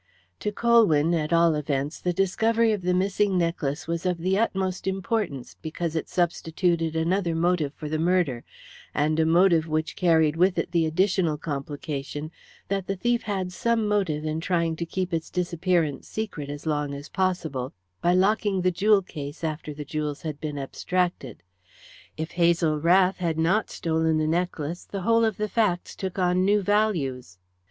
To Colwyn, at all events, the discovery of the missing necklace was of the utmost importance because it substituted another motive for the murder, and a motive which carried with it the additional complication that the thief had some motive in trying to keep its disappearance secret as long as possible by locking the jewel case after the jewels had been abstracted. If Hazel Rath had not stolen the necklace, the whole of the facts took on new values.